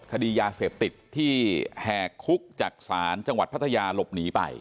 คดียาเสพติดที่แหกคุกจากศาลจังหวัดพัทยาหลบหนีไป